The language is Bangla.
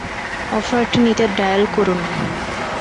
অফারটি নিতে ডায়াল করুন।